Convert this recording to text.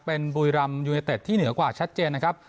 เป็นบุรีรำยูเนเต็ดที่เหนือกว่าชัดเจนนะครับ